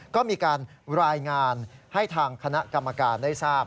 ก็มีการรายงานให้ทางคณะกรรมการได้ทราบ